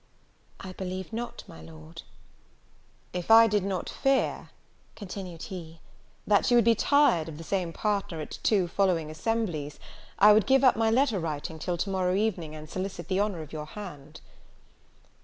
"I believe not, my Lord." "If I did not fear," continued he, "that you would be tired of the same partner at two following assemblies, I would give up my letter writing till to morrow evening, and solicit the honour of your hand."